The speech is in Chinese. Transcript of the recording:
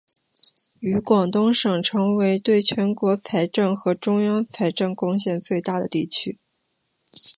与广东省成为对全国财政和中央财政贡献最大的地区。